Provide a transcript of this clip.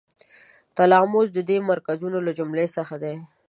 تلاموس د دې مرکزونو له جملو څخه دی.